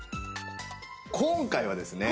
今回はですね